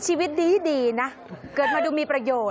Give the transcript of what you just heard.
ชีวิตดีนะเกิดมาดูมีประโยชน